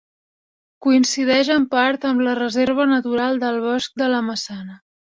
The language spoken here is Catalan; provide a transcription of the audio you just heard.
Coincideix en part amb la Reserva Natural del Bosc de la Maçana.